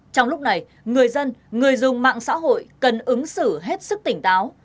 trong lúc này người dân người dùng mạng xã hội cần ứng xử hết sức tỉnh táo